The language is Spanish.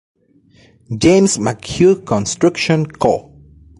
James McHugh Construction Co.